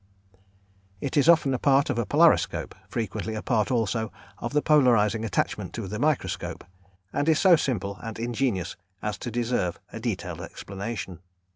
It is often a part of a polariscope; frequently a part also of the polarising attachment to the microscope, and is so simple and ingenious as to deserve detailed explanation.